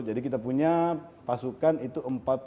jadi kita punya pasukan itu empat puluh delapan